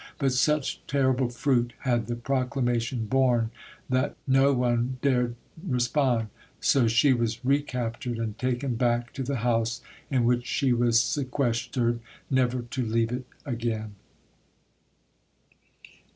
But such terrible fruit had the proclamation borne that noon dared respond, so she was recaptured and taken back to the house in which she was sequestered, never to leave it again.